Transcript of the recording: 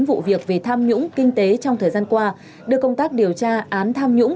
vụ việc về tham nhũng kinh tế trong thời gian qua đưa công tác điều tra án tham nhũng